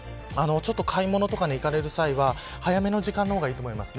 買い物とかに行かれる際は早めの時間の方がいいと思います。